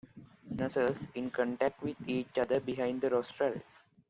Nasals in contact with each other behind the rostral.